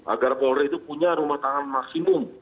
agar polri itu punya rumah tangan maksimum